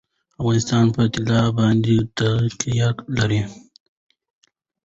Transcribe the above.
افغانستان په طلا باندې تکیه لري.